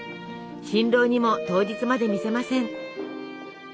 新郎にも当日まで見せません。